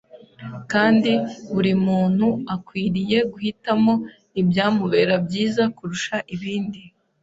kandi buri muntu akwiriye guhitamo ibyamubera byiza kurusha ibind